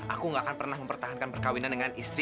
aku gak akan pernah mempertahankan perkawinan dengan istri